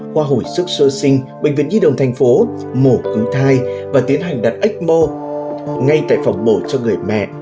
khoa hội sức sơ sinh bệnh viện nhi đồng tp mổ cứu thai và tiến hành đặt ếch mô ngay tại phòng bổ cho người mẹ